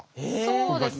そうです。